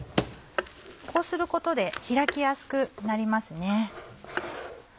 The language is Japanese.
こうすることで開きやすくなりますね。